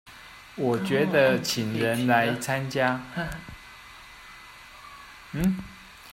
我覺得請人來參加